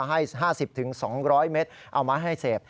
ให้๕๐๒๐๐เมตรเอามาให้เสพ